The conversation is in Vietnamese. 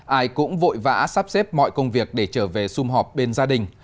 ai cũng vội vã sắp xếp mọi công việc để trở về xung họp bên gia đình